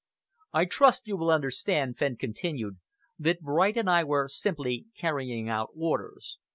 "I trust you will understand," Fenn continued, "that Bright and I were simply carrying out orders.